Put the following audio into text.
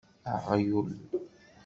Aɣyul!